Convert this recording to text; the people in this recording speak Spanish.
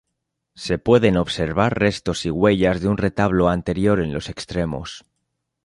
Se pueden observar restos y huellas de un retablo anterior en los extremos.